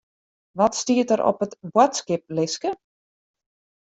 Wat stiet der op it boadskiplistke?